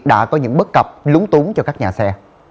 đã có những bất cập lúng túng cho các nhà xe